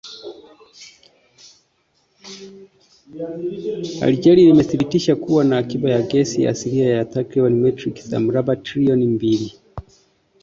Algeria imethibitisha kuwa na akiba ya gesi asilia ya takribani metric za mraba trilioni mbili